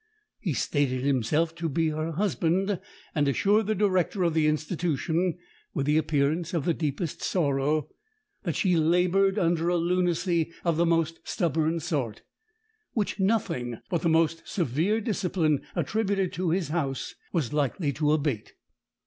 He stated himself to be her husband, and assured the director of the institution, with the appearance of the deepest sorrow, that she laboured under a lunacy of the most stubborn sort, which nothing but the most severe discipline attributed to his house was likely to abate.